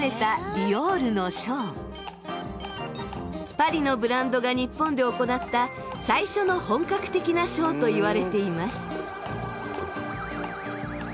パリのブランドが日本で行った最初の本格的なショーと言われています。